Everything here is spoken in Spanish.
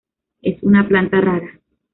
Es una planta rara.